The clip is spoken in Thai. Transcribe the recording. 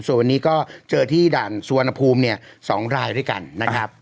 ส่วนวันนี้ก็เจอที่ด่านสุวรรณภูมิเนี่ย๒รายด้วยกันนะครับ